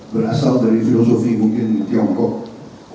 berasal dari filosofi mungkin tiongkok